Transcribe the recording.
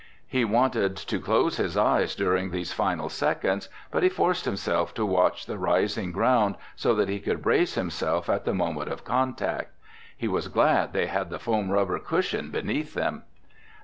He wanted to close his eyes during these final seconds but he forced himself to watch the rising ground so that he could brace himself at the moment of contact. He was glad they had the foam rubber cushion beneath them.